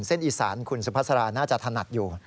เส้นอิสานคุณสุพรรณน่าจะถนัดอยู่